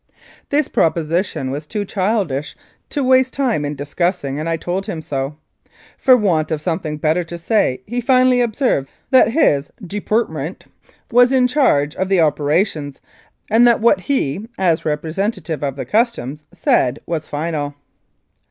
This proposition was too childish to waste time in discussing, and I told him so. For want of some thing better to say, he finally observed that his "Depurt ment " was in charge of the operations and that what he, as representative of the Customs, said was final.